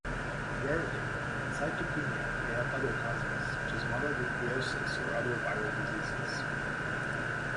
Rarely, pancytopenia may have other causes, such as mononucleosis, or other viral diseases.